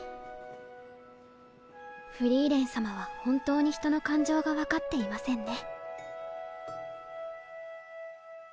フリーレン様は本当に人の感情が分かっていませんね。